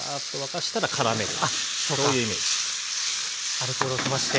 アルコールを飛ばして。